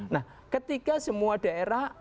nah ketika semua daerah